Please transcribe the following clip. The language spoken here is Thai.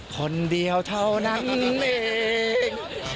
คนเดียวเท่านั้นเอง